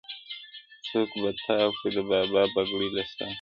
څوك به تاو كړي د بابا بګړۍ له سره؛